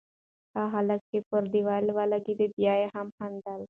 هغه هلک چې پر دېوال ولگېد، بیا یې هم خندل.